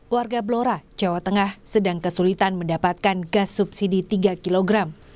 warga blora jawa tengah sedang kesulitan mendapatkan gas subsidi tiga kilogram